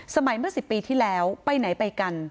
เมื่อ๑๐ปีที่แล้วไปไหนไปกัน